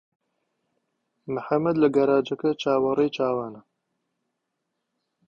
محەممەد لە گەراجەکە چاوەڕێی چاوانە.